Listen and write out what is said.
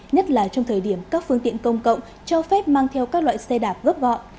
nhất là trong thời điểm các phương tiện công cộng cho phép mang theo các loại xe đạp gấp gọn